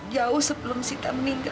jauh sebelum sita meninggal